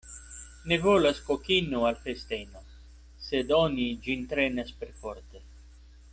Ne volas kokino al festeno, sed oni ĝin trenas perforte.